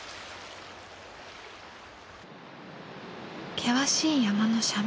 険しい山の斜面。